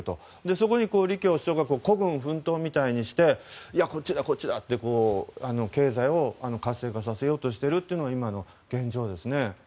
そこに李強首相が孤軍奮闘でこっちだこっちだと、経済を活性化させようとしているのが今の現状ですね。